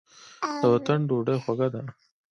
د وطن ډوډۍ خوږه ده.